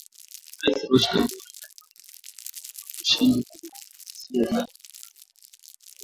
Rais Roch Kabore wakimlaumu kwa kushindwa kudhibiti ghasia zinazoongezeka za